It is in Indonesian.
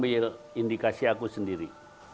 tapi gini saya mengambil indikasi sendiri